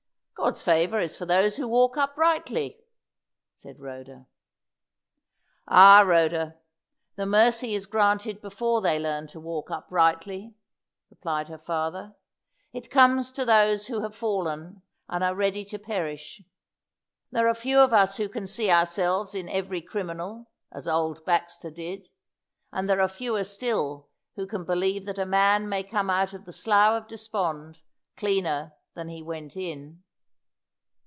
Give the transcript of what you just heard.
"God's favour is for those who walk uprightly," said Rhoda. "Ah, Rhoda, the mercy is granted before they learn to walk uprightly," replied her father. "It comes to those who have fallen and are ready to perish. There are few of us who can see ourselves in every criminal, as old Baxter did. And there are fewer still who can believe that a man may come out of the Slough of Despond cleaner than he went in."